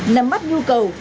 nắm mắt nhu cầu